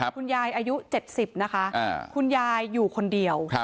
คุณยายอายุ๗๐นะคะคุณยายอยู่คนเดียว